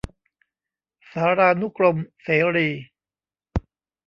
สารานุกรมเสรี